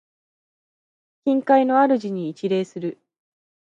近海の主に一礼する。